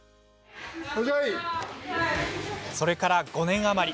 それから５年余り。